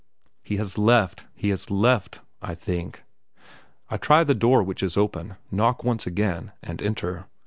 "He has left, he has left," I think. I try the door which is open, knock once again, and enter.